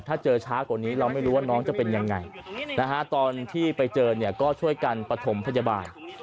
ถ้าเจอช้ากว่านี้เราไม่รู้ว่าน้องจะเป็นยังไงตอนที่ไปเจอเนี่ยก็ช่วยกันประถมพยาบาล